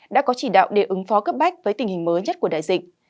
đã có chỉ đạo để ứng phó cấp bách với tình hình mới nhất của đại dịch